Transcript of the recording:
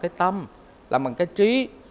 cái tâm làm bằng cái trí